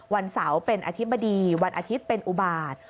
วันเสาร์เป็นอธิบดีวันอาทิตย์เป็นอุบาต